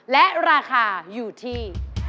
และราคาอยู่ที่